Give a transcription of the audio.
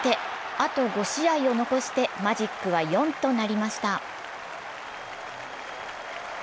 あと５試合を残してマジックは４となりました。